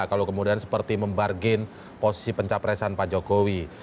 kalau kemudian seperti membargain posisi pencapresan pak jokowi